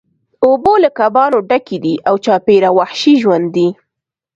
اوبه له کبانو ډکې دي او چاپیره وحشي ژوند دی